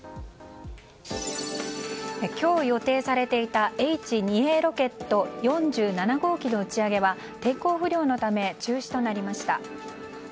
今日予定されていたＨ２Ａロケット４７号機の打ち上げは、天候不良のため中止となりました。